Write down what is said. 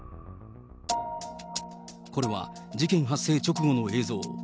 これは、事件発生直後の映像。